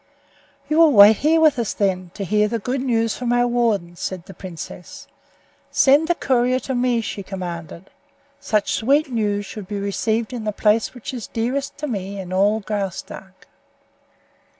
"You will wait here with us, then, to hear the good news from our warden," said the princess. "Send the courier to me," she commanded. "Such sweet news should be received in the place which is dearest to me in all Graustark."